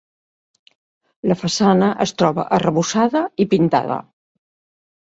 La façana es troba arrebossada i pintada.